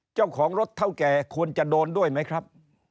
เจ้าของรถเท่าแก่ควรจะโดนด้วยไหมครับ